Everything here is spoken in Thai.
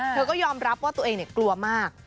เธอก็ยอมรับว่าตัวเองกลัวมาก